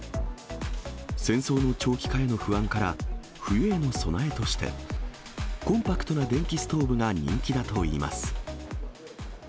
戦争の長期化への不安から、冬への備えとして、コンパクトな電気ストーブが人気だといいます。